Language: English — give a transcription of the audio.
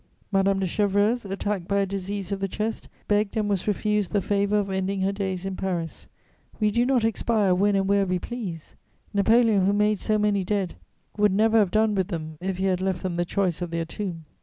Madame de Chevreuse, attacked by a disease of the chest, begged and was refused the favour of ending her days in Paris; we do not expire when and where we please: Napoleon, who made so many dead, would never have done with them if he had left them the choice of their tomb.